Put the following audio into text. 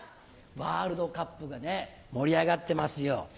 ワールドカップが盛り上がってますよ。